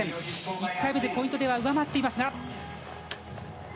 １回目でポイントでは上回っていますが。